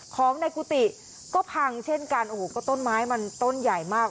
ของในกุฏิก็พังเช่นกันโอ้โหก็ต้นไม้มันต้นใหญ่มาก